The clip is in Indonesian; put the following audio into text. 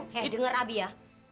hei denger abi ya